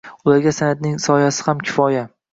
Ularga san’atning soyasi ham kifoya.